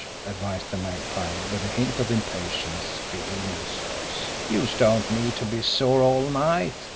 advised the Magpie, with a hint of impatience creeping into his voice. "Youse don't need to be sore all night!